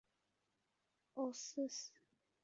厄利斯的皮浪被认为是怀疑论鼻祖。